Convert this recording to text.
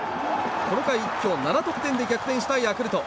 この回一挙７得点で逆転したヤクルト。